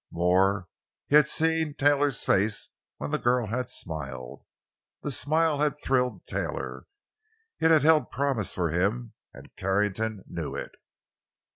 More—he had seen Taylor's face when the girl had smiled. The smile had thrilled Taylor—it had held promise for him, and Carrington knew it.